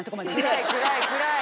暗い暗い暗い。